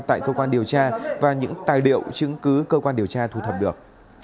tại cơ quan điều tra và những tài liệu chứng cứ cơ quan điều tra thu thập được